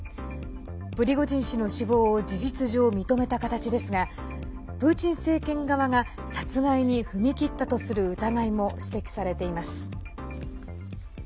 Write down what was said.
プリゴジン氏の死亡を事実上、認めた形ですがプーチン政権側が殺害に踏み切ったとする疑いも指摘されています。